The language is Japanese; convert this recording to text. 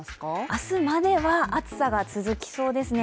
明日までは、暑さが続きそうですね。